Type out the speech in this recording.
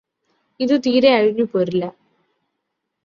ഇതു തീരെ അഴിഞ്ഞു പോരില്ല